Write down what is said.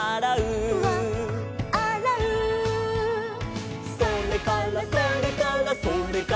「それからそれからそれからそれから」